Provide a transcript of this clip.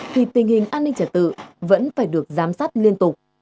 thì tình hình an ninh trả tự vẫn phải được giám sát liên tục